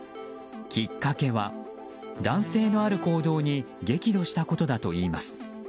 きっかけは、男性のある行動に激怒したことだといいます。